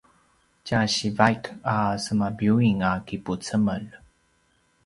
tja sivaik a semabiuying a kipucemel